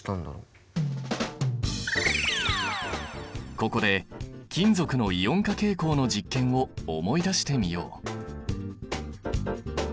ここで金属のイオン化傾向の実験を思い出してみよう。